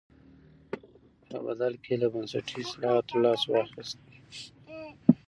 په بدل کې یې له بنسټي اصلاحاتو لاس واخیست.